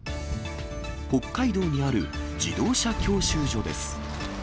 北海道にある自動車教習所です。